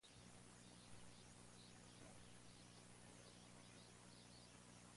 El dinero que cobraba le permitió seguir viajando durante varios años.